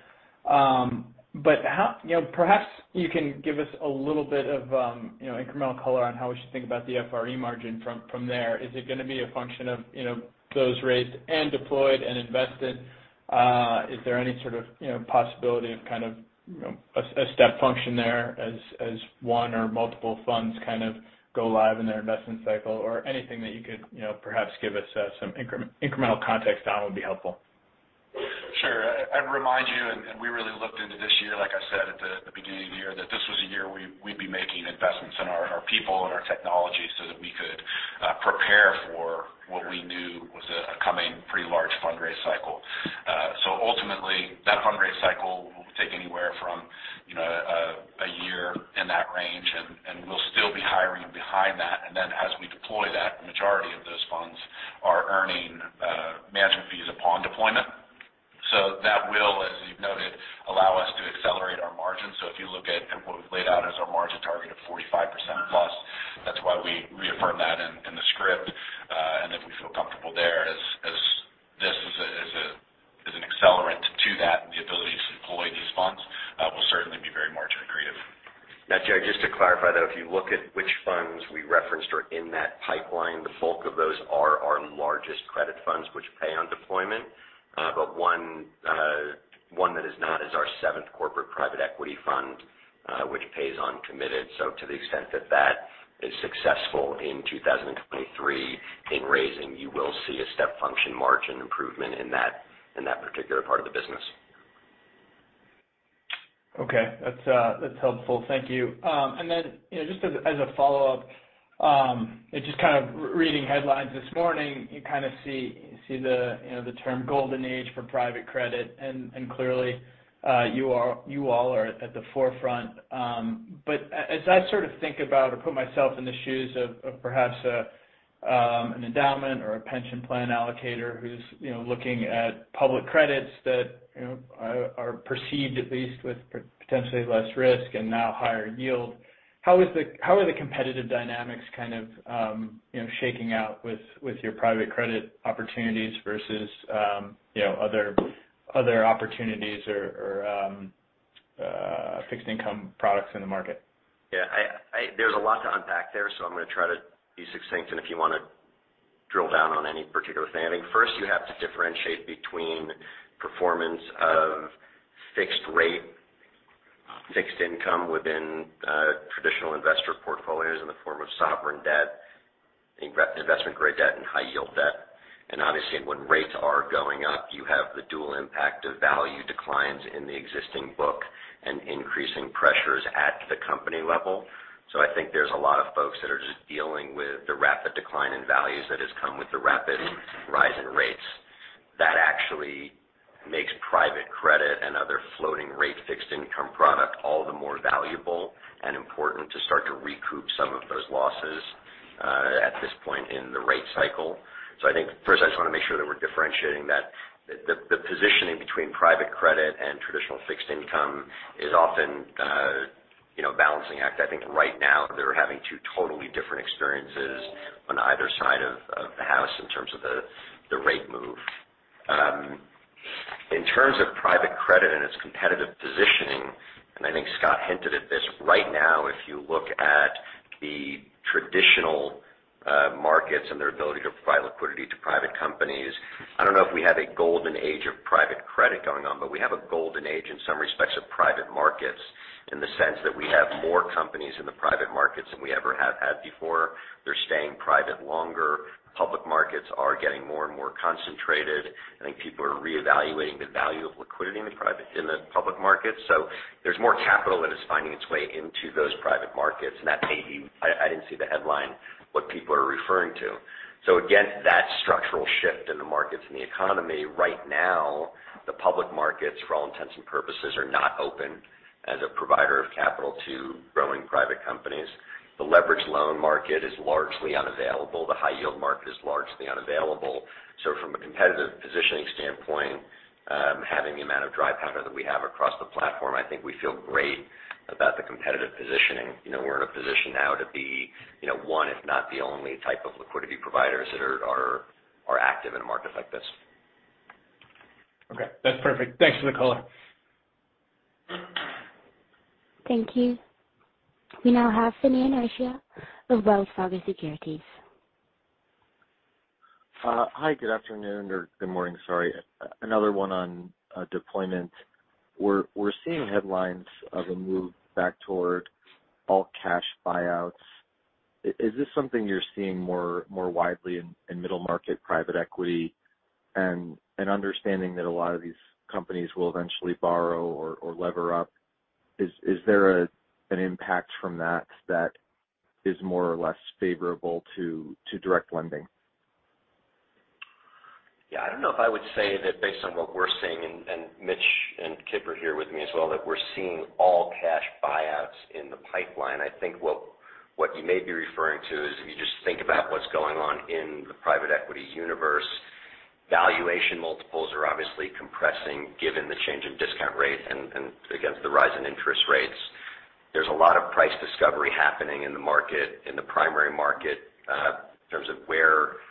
You know, perhaps you can give us a little bit of, you know, incremental color on how we should think about the FRE margin from there. Is it gonna be a function of, you know, those rates and deployed and invested? Is there any sort of, you know, possibility of kind of, you know, a step function there as one or multiple funds kind of go live in their investment cycle or anything that you could, you know, perhaps give us some incremental context on would be helpful. Sure. I remind you, and we really looked into this year, like I said at the beginning of the year, that this was a year we'd be making investments in our people and our technology so that we could prepare for what we knew was a coming pretty large fundraise cycle. So ultimately, that fundraise cycle will take anywhere from, you know, a year in that range, and we'll still be hiring behind that. Then as we deploy that, the majority of those funds are earning management fees upon deployment. That will, as you have noted, allow us to accelerate our margin. If you look at what we've laid out as our margin target of 45% plus, that's why we reaffirmed that in the script, and then we feel comfortable there. As this is an accelerant to that and the ability to deploy these funds, we'll certainly be very margin accretive. Now, Gerald, just to clarify, though, if you look at which funds we referenced are in that pipeline, the bulk of those are our largest credit funds which pay on deployment. But one that is not is our seventh corporate private equity fund, which pays on committed. To the extent that that is successful in 2023 in raising, you will see a step function margin improvement in that particular part of the business. Okay. That's helpful. Thank you. You know, just as a follow-up, just kind of reading headlines this morning, you kind of see the, you know, the term golden age for private credit, and clearly, you all are at the forefront. But as I sort of think about or put myself in the shoes of perhaps an endowment or a pension plan allocator who's, you know, looking at public credits that, you know, are perceived at least with potentially less risk and now higher yield, how are the competitive dynamics kind of shaking out with your private credit opportunities versus other opportunities or fixed income products in the market? Yeah, I. There's a lot to unpack there, so I'm gonna try to be succinct and if you wanna drill down on any particular thing. I think first you have to differentiate between performance of fixed rate, fixed income within traditional investor portfolios in the form of sovereign debt, investment grade debt and high yield debt. Obviously, when rates are going up, you have the dual impact of value declines in the existing book and increasing pressures at the company level. I think there's a lot of folks that are just dealing with the rapid decline in values that has come with the rapid rise in rates. That actually makes private credit and other floating rate fixed income product all the more valuable and important to start to recoup some of those losses at this point in the rate cycle. I think first, I just wanna make sure that we're differentiating that. The positioning between private credit and traditional fixed income is often, you know, balancing act. I think right now they're having two totally different experiences on either side of the house in terms of the rate move. In terms of private credit and its competitive positioning, and I think Scott hinted at this. Right now, if you look at the traditional markets and their ability to provide liquidity to private companies. I don't know if we have a golden age of private credit going on, but we have a golden age in some respects of private markets, in the sense that we have more companies in the private markets than we ever have had before. They're staying private longer. Public markets are getting more and more concentrated. I think people are reevaluating the value of liquidity in the public markets. There's more capital that is finding its way into those private markets, and that may be. I didn't see the headline, what people are referring to. Again, that structural shift in the markets and the economy. Right now, the public markets, for all intents and purposes, are not open as a provider of capital to growing private companies. The leveraged loan market is largely unavailable. The high yield market is largely unavailable. From a competitive positioning standpoint, having the amount of dry powder that we have across the platform, I think we feel great about the competitive positioning. You know, we're in a position now to be, you know, one if not the only type of liquidity providers that are active in a market like this. Okay, that's perfect. Thanks, Michael Arougheti. Thank you. We now have Finian O'Shea of Wells Fargo Securities. Hi. Good afternoon or good morning, sorry. Another one on deployment. We're seeing headlines of a move back toward all-cash buyouts. Is this something you're seeing more widely in middle market private equity? Understanding that a lot of these companies will eventually borrow or lever up, is there an impact from that that is more or less favorable to direct lending? Yeah. I don't know if I would say that based on what we're seeing, and Mitch and Kip are here with me as well, that we're seeing all-cash buyouts in the pipeline. I think what you may be referring to is if you just think about what's going on in the private equity universe, valuation multiples are obviously compressing given the change in discount rate and against the rise in interest rates. There's a lot of price discovery happening in the market, in the primary market, in terms of where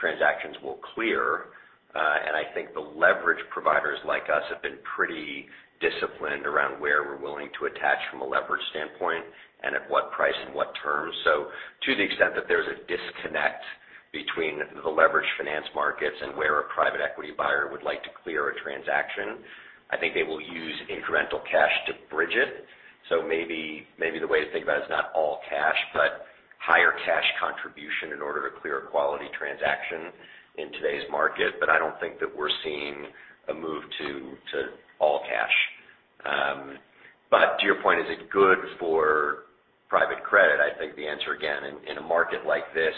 transactions will clear. I think the leverage providers like us have been pretty disciplined around where we're willing to attach from a leverage standpoint and at what price and what terms. To the extent that there's a disconnect between the leveraged finance markets and where a private equity buyer would like to clear a transaction, I think they will use incremental cash to bridge it. Maybe the way to think about it is not all cash, but higher cash contribution in order to clear a quality transaction in today's market. I don't think that we're seeing a move to all cash. To your point, is it good for private credit? I think the answer again, in a market like this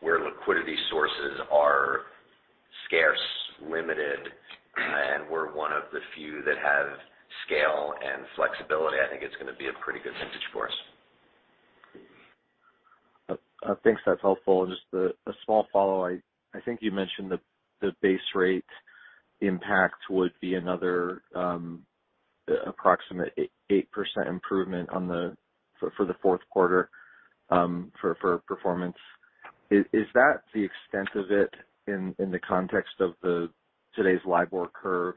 where liquidity sources are scarce, limited, and we're one of the few that have scale and flexibility, I think it's gonna be a pretty good vintage for us. Thanks. That's helpful. Just a small follow. I think you mentioned the base rate impact would be another approximate 8% improvement for the Q4 for performance. Is that the extent of it in the context of today's LIBOR curve,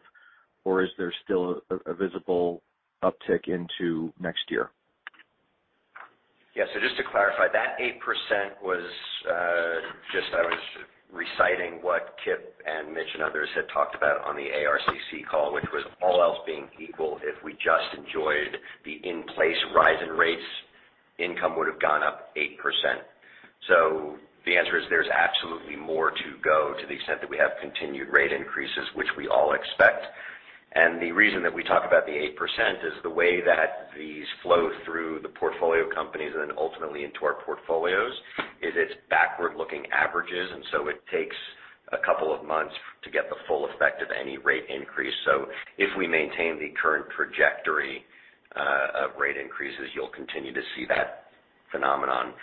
or is there still a visible uptick into next year? Yeah. Just to clarify, that 8% was just I was reciting what Kip and Mitch and others had talked about on the ARCC call, which was all else being equal, if we just enjoyed the in place rise in rates, income would have gone up 8%. The answer is there is absolutely more to go to the extent that we have continued rate increases, which we all expect. The reason that we talk about the 8% is the way that these flow through the portfolio companies and ultimately into our portfolios is it's backward-looking averages. It takes a couple of months to get the full effect of any rate increase. If we maintain the current trajectory of rate increases, you'll continue to see that phenomenon.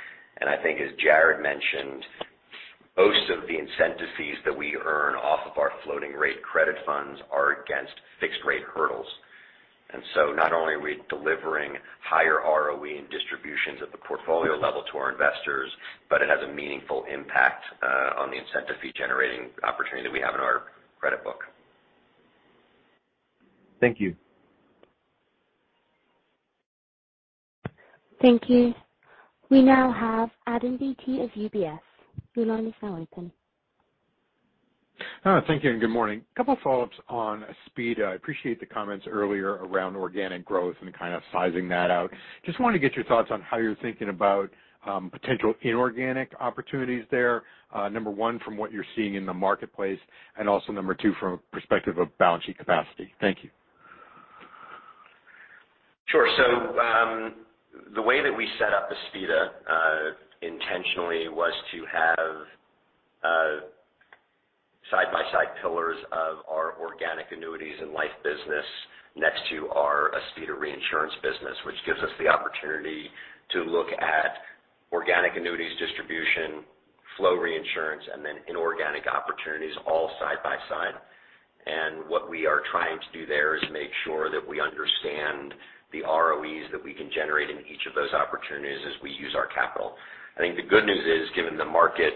I think as Jarrod mentioned, most of the incentive fees that we earn off of our floating rate credit funds are against fixed rate hurdles. Not only are we delivering higher ROE and distributions at the portfolio level to our investors, but it has a meaningful impact on the incentive fee generating opportunity that we have in our credit book. Thank you. Thank you. We now have Adam Beatty of UBS. Your line is now open. Thank you and good morning. A couple follow-ups on Aspida. I appreciate the comments earlier around organic growth and kind of sizing that out. Just wanted to get your thoughts on how you're thinking about potential inorganic opportunities there, number one, from what you're seeing in the marketplace, and also number two, from a perspective of balance sheet capacity. Thank you. Sure. The way that we set up Aspida intentionally was to have side-by-side pillars of our organic annuities and life business next to our Aspida reinsurance business, which gives us the opportunity to look at organic annuities distribution, flow reinsurance, and then inorganic opportunities all side by side. What we are trying to do there is make sure that we understand the ROEs that we can generate in each of those opportunities as we use our capital. I think the good news is, given the market,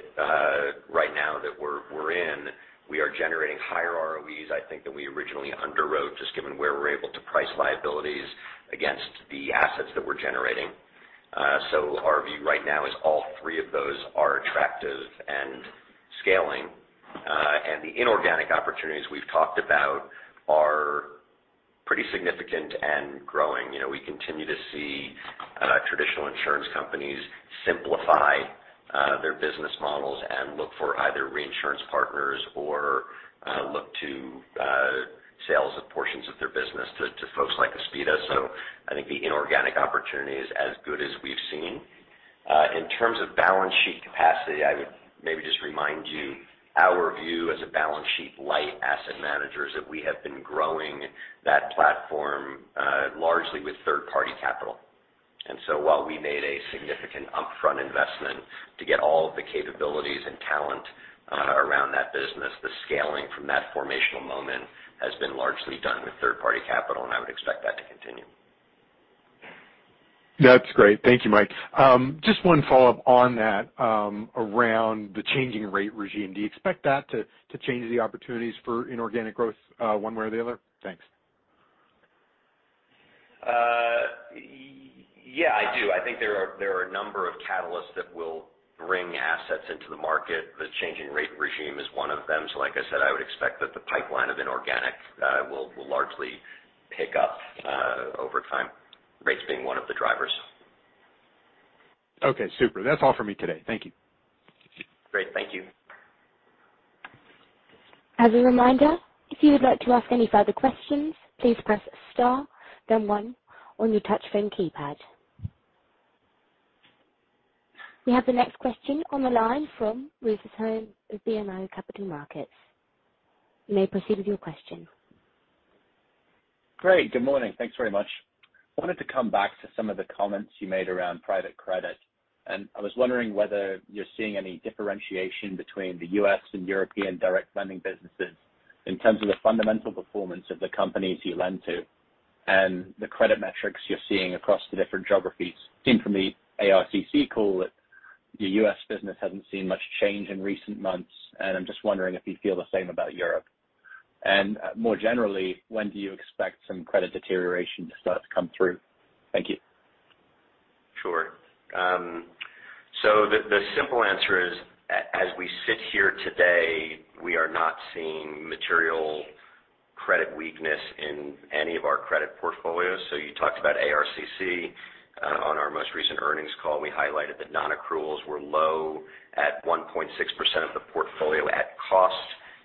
we are generating higher ROEs, I think, than we originally underwrote, just given where we're able to price liabilities against the assets that we're generating. Our view right now is all three of those are attractive and scaling. The inorganic opportunities we've talked about are pretty significant and growing. You know, we continue to see traditional insurance companies simplify their business models and look for either reinsurance partners or sales of portions of their business to folks like Aspida. I think the inorganic opportunity is as good as we've seen. In terms of balance sheet capacity, I would maybe just remind you our view as a balance sheet light asset manager is that we have been growing that platform largely with third-party capital. While we made a significant upfront investment to get all of the capabilities and talent around that business, the scaling from that formational moment has been largely done with third-party capital, and I would expect that to continue. That's great. Thank you, Mike. Just one follow-up on that, around the changing rate regime. Do you expect that to change the opportunities for inorganic growth, one way or the other? Thanks. Yeah, I do. I think there are a number of catalysts that will bring assets into the market. The changing rate regime is one of them. Like I said, I would expect that the pipeline of inorganic will largely pick up over time, rates being one of the drivers. Okay, super. That's all for me today. Thank you. Great. Thank you. As a reminder, if you would like to ask any further questions, please press star then one on your touch phone keypad. We have the next question on the line from Rufus Hone of BMO Capital Markets. You may proceed with your question. Great. Good morning. Thanks very much. I wanted to come back to some of the comments you made around private credit, and I was wondering whether you're seeing any differentiation between the U.S. and European direct lending businesses in terms of the fundamental performance of the companies you lend to and the credit metrics you're seeing across the different geographies. It seemed from the ARCC call that the U.S. business hasn't seen much change in recent months, and I'm just wondering if you feel the same about Europe. More generally, when do you expect some credit deterioration to start to come through? Thank you. Sure, the simple answer is as we sit here today, we are not seeing material credit weakness in any of our credit portfolios. You talked about ARCC. On our most recent earnings call, we highlighted that non-accruals were low at 1.6% of the portfolio at cost,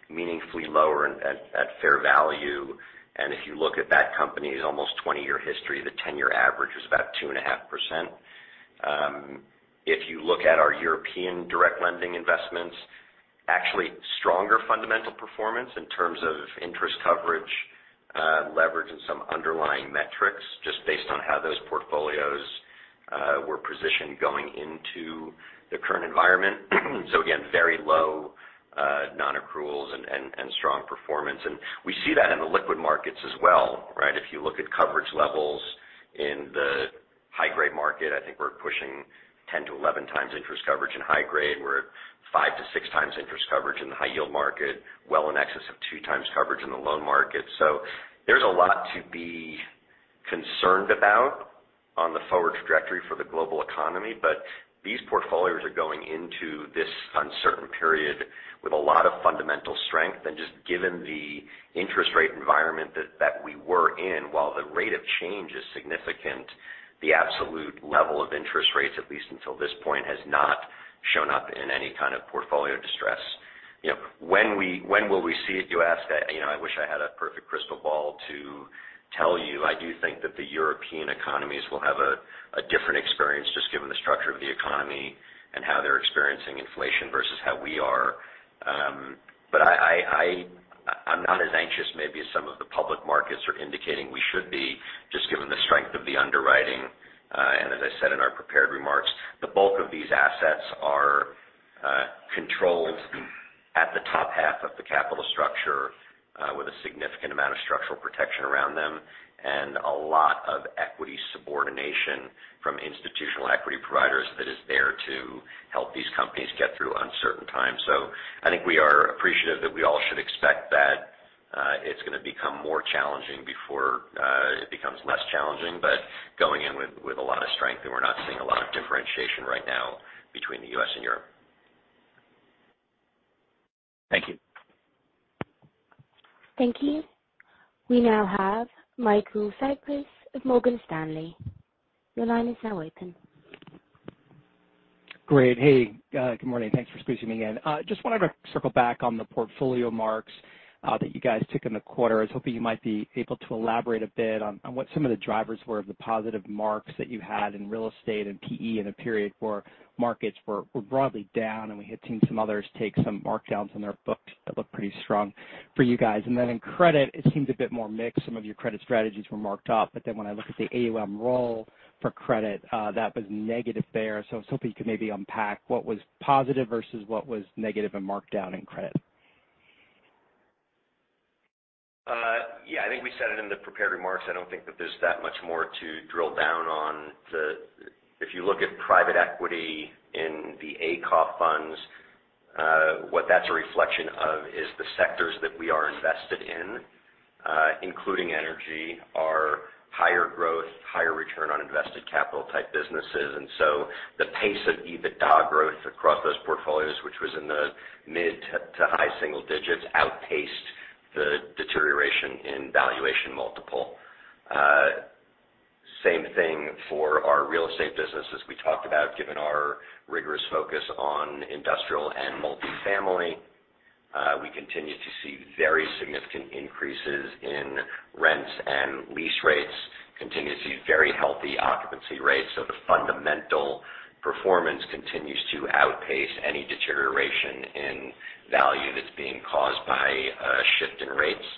meaningfully lower at fair value. If you look at that company's almost 20-year history, the 10-year average was about 2.5%. If you look at our European direct lending investments, actually stronger fundamental performance in terms of interest coverage, leverage in some underlying metrics just based on how those portfolios were positioned going into the current environment. Again, very low non-accruals and strong performance. We see that in the liquid markets as well, right? If you look at coverage levels in the high-grade market, I think we're pushing 10-11 times interest coverage in high grade. We're at 5-6 times interest coverage in the high-yield market, well in excess of two times coverage in the loan market. There's a lot to be concerned about on the forward trajectory for the global economy. These portfolios are going into this uncertain period with a lot of fundamental strength. Just given the interest rate environment that we were in, while the rate of change is significant, the absolute level of interest rates, at least until this point, has not shown up in any kind of portfolio distress. You know, when will we see it, you ask? You know, I wish I had a perfect crystal ball to tell you. I do think that the European economies will have a different experience just given the structure of the economy and how they're experiencing inflation versus how we are. But I'm not as anxious maybe as some of the public markets are indicating we should be just given the strength of the underwriting. And as I said in our prepared remarks, the bulk of these assets are controlled at the top half of the capital structure, with a significant amount of structural protection around them and a lot of equity subordination from institutional equity providers that is there to help these companies get through uncertain times. I think we are appreciative that we all should expect that it's gonna become more challenging before it becomes less challenging. Going in with a lot of strength, and we're not seeing a lot of differentiation right now between the U.S. and Europe. Thank you. Thank you. We now have Michael Cyprys of Morgan Stanley. Your line is now open. Great. Hey, good morning. Thanks for squeezing me in. Just wanted to circle back on the portfolio marks that you guys took in the quarter. I was hoping you might be able to elaborate a bit on what some of the drivers were of the positive marks that you had in real estate and PE in a period where markets were broadly down, and we had seen some others take some markdowns on their books that looked pretty strong for you guys. Then in credit, it seemed a bit more mixed. Some of your credit strategies were marked up, but then when I look at the AUM roll for credit, that was negative there. I was hoping you could maybe unpack what was positive versus what was negative and marked down in credit. Yeah, I think we said it in the prepared remarks. I don't think that there is that much more to drill down on the. If you look at private equity in the ACOF funds, what that's a reflection of is the sectors that we are invested in, including energy, are higher growth, higher return on invested capital type businesses. The pace of EBITDA growth across those portfolios, which was in the mid- to high single digits, outpaced the deterioration in valuation multiple. Same thing for our real estate businesses. We talked about, given our rigorous focus on industrial and multifamily, we continue to see very significant increases in rents and lease rates. Continue to see very healthy occupancy rates. The fundamental performance continues to outpace any deterioration in value that's being caused by a shift in rates.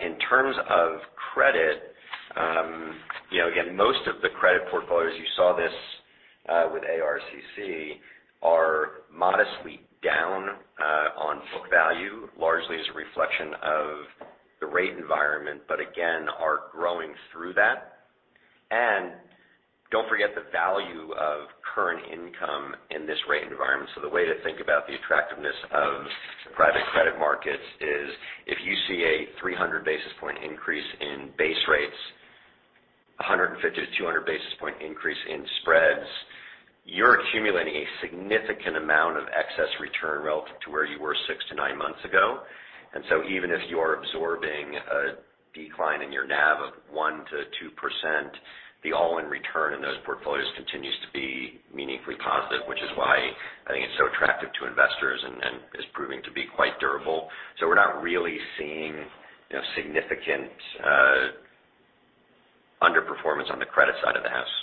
In terms of credit, you know, again, most of the credit portfolios you saw this with ARCC are modestly down on book value, largely as a reflection of the rate environment, but again, are growing through that. Don't forget the value of current income in this rate environment. The way to think about the attractiveness of private credit markets is if you see a 300 basis point increase in base rates, a 150-200 basis point increase in spreads, you're accumulating a significant amount of excess return relative to where you were 6-9 months ago. Even if you are absorbing a decline in your NAV of 1%-2%, the all-in return in those portfolios continues to be meaningfully positive, which is why I think it's so attractive to investors and is proving to be quite durable. We are not really seeing, you know, significant underperformance on the credit side of the house.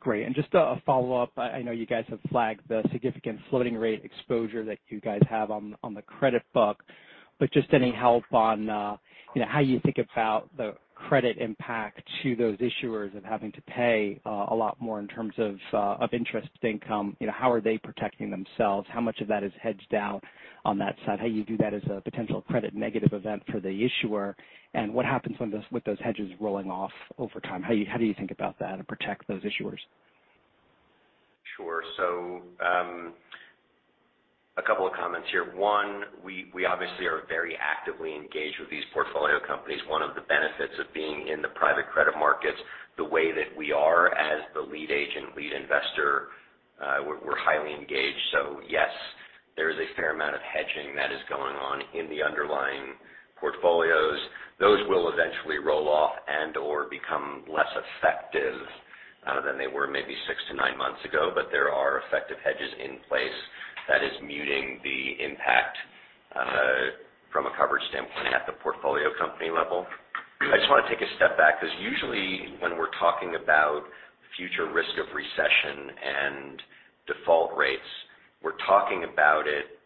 Great. Just a follow-up. I know you guys have flagged the significant floating rate exposure that you guys have on the credit book, but just any help on, you know, how you think about the credit impact to those issuers of having to pay a lot more in terms of of interest expense. You know, how are they protecting themselves? How much of that is hedged out on that side? How do you view that as a potential credit-negative event for the issuer, and what happens when those hedges rolling off over time? How do you think about that and protect those issuers? Sure. A couple of comments here. One, we obviously are very actively engaged with these portfolio companies. One of the benefits of being in the private credit markets, the way that we are as the lead agent, lead investor, we are highly engaged. Yes, there is a fair amount of hedging that is going on in the underlying portfolios. Those will eventually roll off and/or become less effective than they were maybe six to nine months ago. But there are effective hedges in place that is muting the impact from a coverage standpoint at the portfolio company level. I just wanna take a step back 'cause usually when we're talking about future risk of recession and default rates, we're talking about it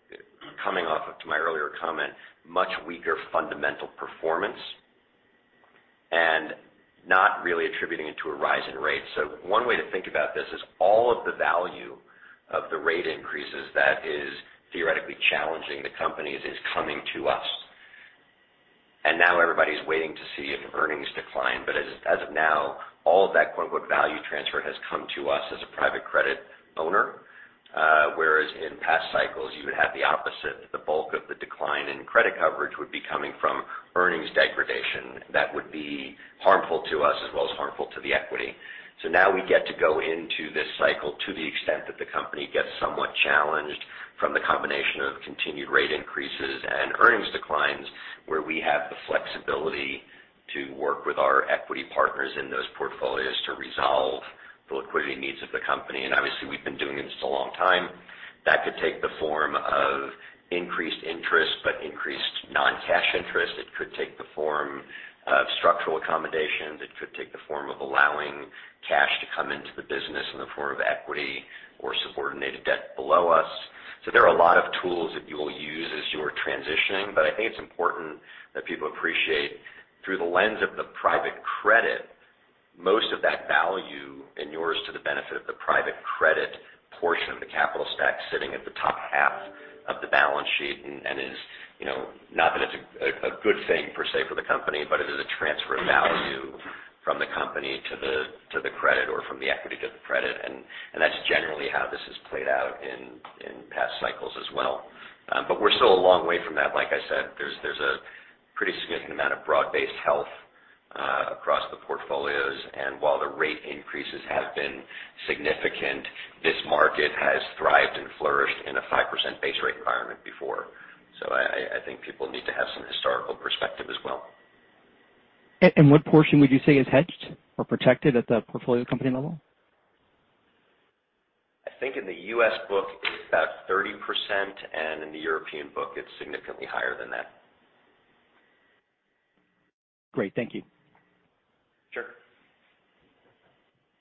coming off of, to my earlier comment, much weaker fundamental performance and not really attributing it to a rise in rates. One way to think about this is all of the value of the rate increases that is theoretically challenging the companies is coming to us. Now everybody's waiting to see an earnings decline. As of now, all of that, quote, unquote, "value transfer" has come to us as a private credit owner. Whereas in past cycles you would have the opposite. The bulk of the decline in credit coverage would be coming from earnings degradation that would be harmful to us as well as harmful to the equity. Now we get to go into this cycle to the extent that the company gets somewhat challenged from the combination of continued rate increases and earnings declines, where we have the flexibility to work with our equity partners in those portfolios to resolve the liquidity needs of the company. Obviously, we have been doing this a long time. That could take the form of increased interest but increased non-cash interest. It could take the form of structural accommodations. It could take the form of allowing cash to come into the business in the form of equity or subordinated debt below us. There are a lot of tools that you'll use as you are transitioning, but I think it's important that people appreciate through the lens of the private credit, most of that value inures to the benefit of the private credit portion of the capital stack sitting at the top half of the balance sheet and is, you know, not that it's a good thing per se for the company, but it is a transfer of value from the company to the credit or from the equity to the credit. That's generally how this has played out in past cycles as well. We're still a long way from that. Like I said, there's a pretty significant amount of broad-based health across the portfolios. While the rate increases have been significant, this market has thrived and flourished in a 5% base rate environment before. I think people need to have some historical perspective as well. What portion would you say is hedged or protected at the portfolio company level? I think in the U.S. book it's about 30%, and in the European book it's significantly higher than that. Great. Thank you.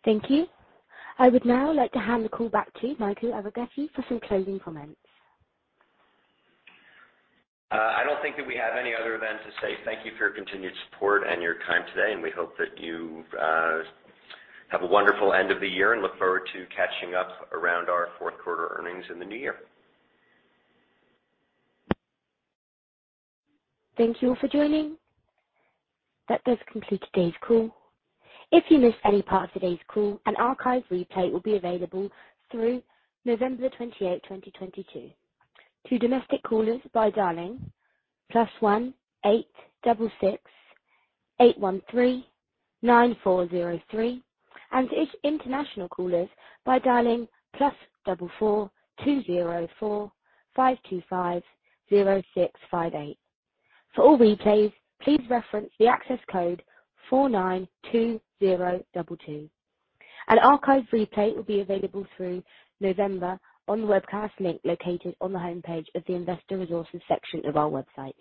Sure. Thank you. I would now like to hand the call back to Michael Arougheti for some closing comments. I don't think that we have any other than to say thank you for your continued support and your time today, and we hope that you have a wonderful end of the year and look forward to catching up around our Q4 earnings in the new year. Thank you all for joining. That does conclude today's call. If you missed any part of today's call, an archive replay will be available through November 28, 2022. To domestic callers by dialing +1-866-813-9403, and to international callers by dialing +44-20-4525-0658. For all replays, please reference the access code 492022. An archive replay will be available through November on the webcast link located on the homepage of the Investor Resources section of our website.